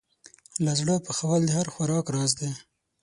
له زړه پخول د هر خوراک راز دی.